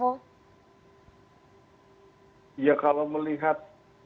oh ya kalau melihat